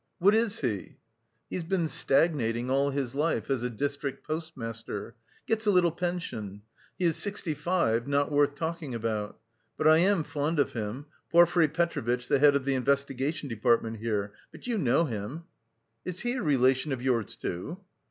"What is he?" "He's been stagnating all his life as a district postmaster; gets a little pension. He is sixty five not worth talking about.... But I am fond of him. Porfiry Petrovitch, the head of the Investigation Department here... But you know him." "Is he a relation of yours, too?"